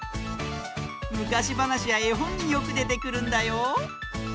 むかしばなしやえほんによくでてくるんだよ。